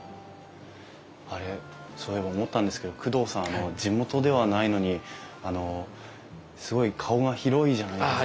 あれそういえば思ったんですけど工藤さんは地元ではないのにあのすごい顔が広いじゃないですか。